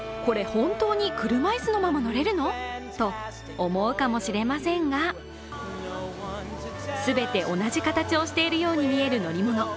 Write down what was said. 本当に車椅子のまま乗れるの？と思うかもしれませんが全て同じ形をしているように見える乗り物。